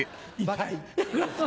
痛い。